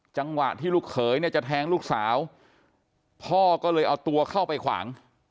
จังหวะที่ลูกเขยเนี่ยจะแทงลูกสาวพ่อก็เลยเอาตัวเข้าไปขวาง